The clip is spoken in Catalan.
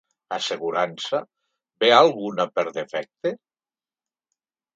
Assegurança, ve alguna per defecte?